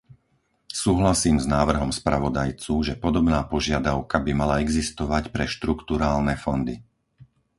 Súhlasím s návrhom spravodajcu, že podobná požiadavka by mala existovať pre štrukturálne fondy.